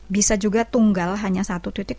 bisa juga tunggal hanya satu titik